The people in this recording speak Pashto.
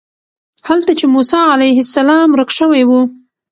هلته چې موسی علیه السلام ورک شوی و.